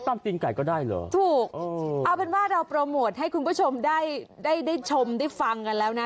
ตีนไก่ก็ได้เหรอถูกเอาเป็นว่าเราโปรโมทให้คุณผู้ชมได้ได้ชมได้ฟังกันแล้วนะ